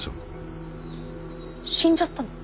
死んじゃったの？